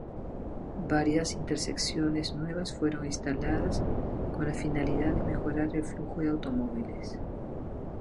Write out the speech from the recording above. Varias intersecciones nuevas fueron instaladas con la finalidad de mejorar el flujo de automóviles.